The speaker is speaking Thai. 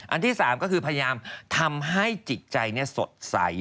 อันที่๓ก็คือพยายามทำให้จิตใจสดใส